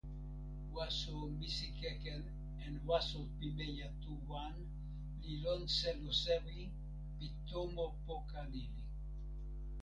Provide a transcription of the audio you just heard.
waso Misikeken en waso pimeja tu wan li lon selo sewi pi tomo poka lili.